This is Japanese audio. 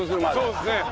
そうですね。